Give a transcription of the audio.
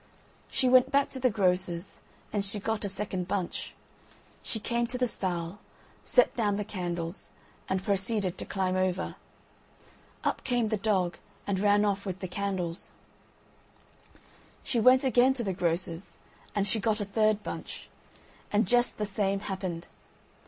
She went back to the grocer's, and she got a second bunch. She came to the stile, set down the candles, and proceeded to climb over. Up came the dog and ran off with the candles. She went again to the grocer's, and she got a third bunch; and just the same happened.